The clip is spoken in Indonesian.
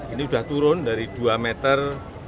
ini sudah turun dari dua meter